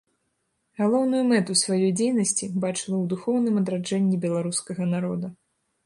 Галоўную мэту сваёй дзейнасці бачыла ў духоўным адраджэнні беларускага народа.